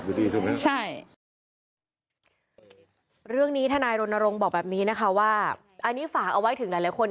ว่าอย่างนี้ฝากเอาไว้ถึงหลายคน